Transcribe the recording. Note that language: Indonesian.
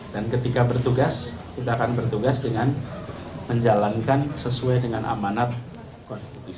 dan ketika bertugas kita akan bertugas dengan menjalankan sesuai dengan amanah konstitusi